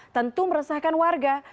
tentu meresahkan warga